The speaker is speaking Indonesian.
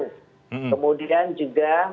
dan kemudian juga melegalkan perjanjian